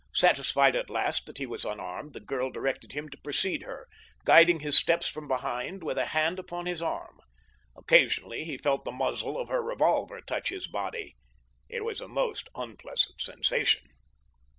Satisfied at last that he was unarmed, the girl directed him to precede her, guiding his steps from behind with a hand upon his arm. Occasionally he felt the muzzle of her revolver touch his body. It was a most unpleasant sensation.